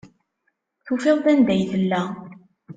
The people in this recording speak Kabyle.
Tufiḍ-d anda ay tella.